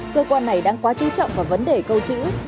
cơ quan này đang quá chú trọng vào vấn đề câu chữ